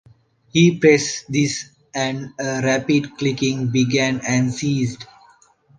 He pressed this and a rapid clicking began and ceased.